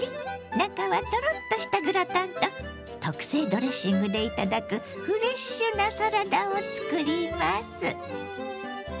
中はトロッとしたグラタンと特製ドレッシングで頂くフレッシュなサラダを作ります。